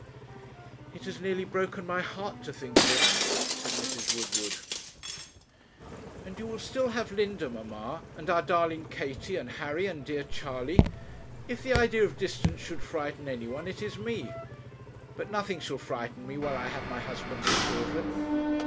'It has nearly broken my heart to think of it,' said Mrs. Woodward. 'And you will still have Linda, mamma, and our darling Katie, and Harry, and dear Charley. If the idea of distance should frighten anyone it is me. But nothing shall frighten me while I have my husband and children.